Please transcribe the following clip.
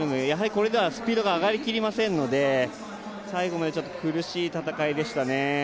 これではスピードが上がりきりませんので最後まで苦しい戦いでしたね。